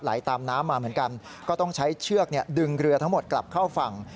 ตามน้ำมาเหมือนกันก็ต้องใช้เชือกดึงเรือทั้งหมดกลับเข้าฝั่ง